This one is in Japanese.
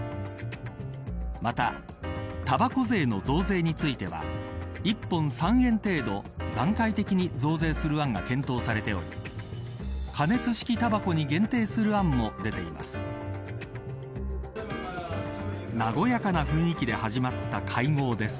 また、たばこ税の増税については１本３円程度、段階的に増税する案が検討されており加熱式たばこに限定する案も出ています。